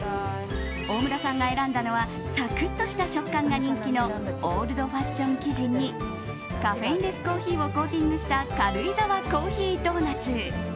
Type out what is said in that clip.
大村さんが選んだのはサクッとした食感が人気のオールドファッション生地にカフェインレスコーヒーをコーティングした軽井沢コーヒードーナツ。